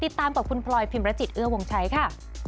ติดตามกับคุณพลอยพิมรจิตเอื้อวงชัยค่ะ